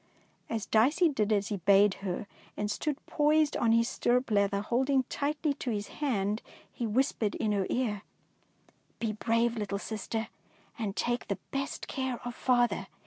As Dicey did as he bade her, and stood poised on his stirrup leather, holding tightly to his hand, he whis pered in her ear, —'' Be brave, little sister, and take the best care you can of father.